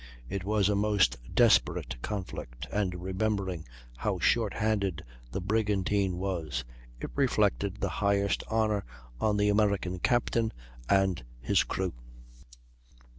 It was a most desperate conflict, and, remembering how short handed the brigantine was, it reflected the highest honor on the American captain and his crew.